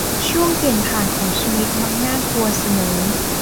ช่วงเปลี่ยนผ่านของชีวิตมักน่ากลัวเสมอ